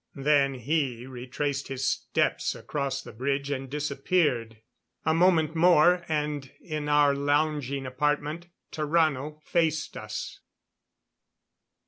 Then he retraced his steps across the bridge and disappeared. A moment more, and in our lounging apartment Tarrano faced us.